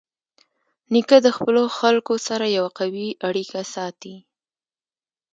نیکه د خپلو خلکو سره یوه قوي اړیکه ساتي.